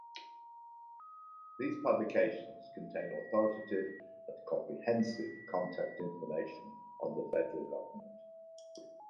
These publications contain authoritative and comprehensive contact information on the federal government.